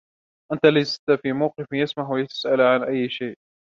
أنتَ لستُ في موقف يسمح لتسأل عن أي شئ.